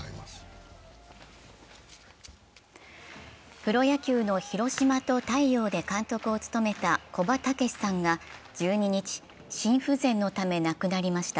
プロ野球の広島と大洋で監督を務めた古葉竹識さんが１２日、心不全のため亡くなりました。